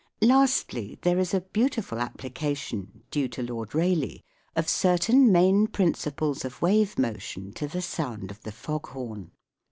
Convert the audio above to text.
Lastly, there is a beautiful application, due to Lord Rayleigh, of certain main principles of wave motion to the sound of the fog horn.